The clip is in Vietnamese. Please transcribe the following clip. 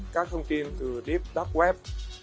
các thông tin từ deep dark web